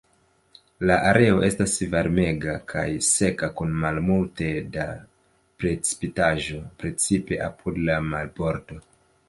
La areo estas varmega kaj seka kun malmulte da precipitaĵo, precipe apud la marbordo.